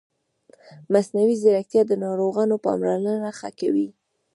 مصنوعي ځیرکتیا د ناروغانو پاملرنه ښه کوي.